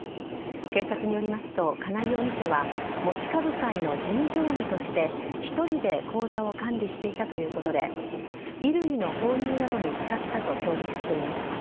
警察によりますと金井容疑者は持ち株会の事務業務として１人で口座を管理していたということで衣類の購入などに使ったと供述しています。